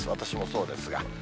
私もそうですが。